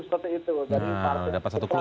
seperti itu nah dapat satu clue